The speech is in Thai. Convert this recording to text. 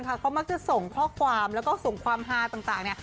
เขามากจะส่งข้อความและความฮาต่าง